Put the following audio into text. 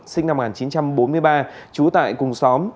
sinh năm một nghìn chín trăm bốn mươi ba trú tại cùng xóm